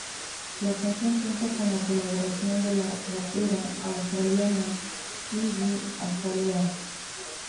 La canción cuenta con la colaboración de la rapera australiana Iggy Azalea.